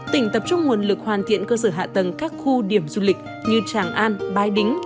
tỉnh tập trung nguồn lực hoàn thiện cơ sở hạ tầng các khu điểm du lịch như tràng an bái đính